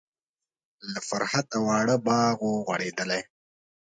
له فرحته واړه باغ و غوړیدلی.